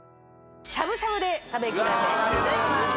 しゃぶしゃぶで食べ比べしていただきます